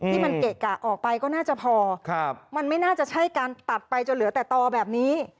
ที่มันเกะกะออกไปก็น่าจะพอมันไม่น่าจะใช่การตัดไปจนเหลือแต่ต่อแบบนี้